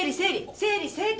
整理整頓。